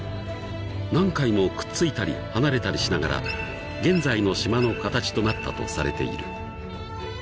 ［何回もくっついたり離れたりしながら現在の島の形となったとされている］